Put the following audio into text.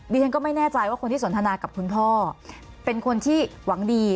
ดิฉันก็ไม่แน่ใจว่าคนที่สนทนากับคุณพ่อเป็นคนที่หวังดี